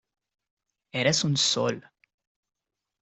eres un sol.